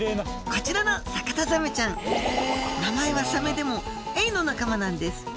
こちらのサカタザメちゃん名前は「サメ」でもエイの仲間なんです。